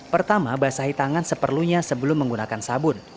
pertama basahi tangan seperlunya sebelum menggunakan sabun